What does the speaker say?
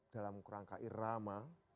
dalam kerangka irama